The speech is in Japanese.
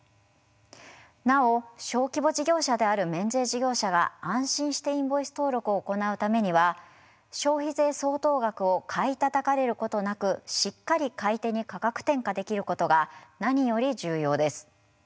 なお小規模事業者である免税事業者が安心してインボイス登録を行うためには消費税相当額を買いたたかれることなくしっかり買い手に価格転嫁できることが何より重要です。